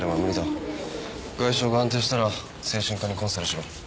外傷が安定したら精神科にコンサルしろ。